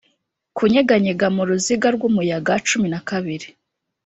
kunyeganyega mu ruziga rw'umuyaga cumi na kabiri,